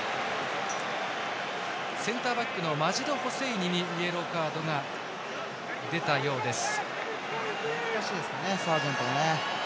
センターバックのマジド・ホセイニにイエローカードが出たようです。